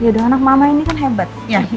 yaudah anak mama ini kan hebat